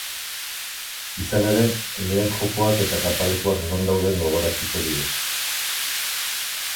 Izan ere, lehen jokoak eta kanpalekuak non dauden gogoraraziko die.